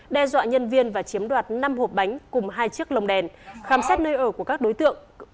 đe dọa nhân viên và chiếm đoạt năm hộp bánh cùng hai chiếc lồng đèn khám xét nơi ở của các đối tượng